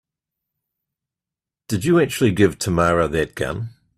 Did you actually give Tamara that gun?